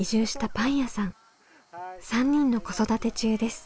３人の子育て中です。